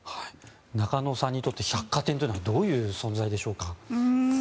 中野さんにとって百貨店というのはどういう存在でしょうか。